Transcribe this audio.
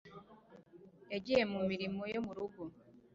Yagiye mu mirimo yo mu rugo.